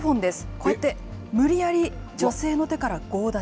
こうやって無理やり、女性の手から強奪。